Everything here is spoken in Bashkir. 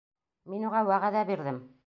Мин уға вәғәҙә бирҙем.